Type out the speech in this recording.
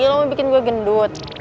lo mau bikin gue gendut